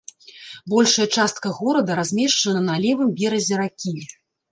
Большая частка горада размешчана на левым беразе ракі.